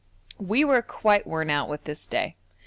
We were quite worn out with this day.